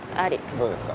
どうですか？